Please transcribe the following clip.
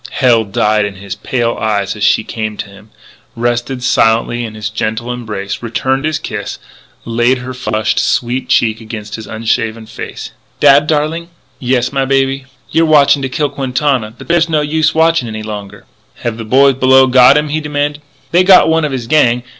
Hell died in his pale eyes as she came to him, rested silently in his gentle embrace, returned his kiss, laid her flushed, sweet cheek against his unshaven face. "Dad, darling?" "Yes, my baby " "You're watching to kill Quintana. But there's no use watching any longer." "Have the boys below got him?" he demanded. "They got one of his gang.